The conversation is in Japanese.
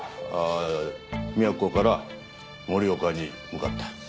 宮古から盛岡に向かった。